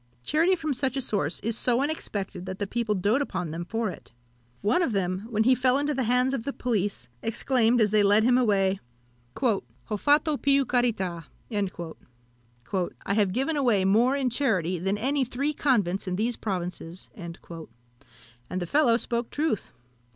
Charity from such a source is so unexpected, that the people doat upon them for it. One of them, when he fell into the hands of the police, exclaimed, as they led him away, "Ho fatto più carità!" "I have given away more in charity than any three convents in these provinces." And the fellow spoke truth.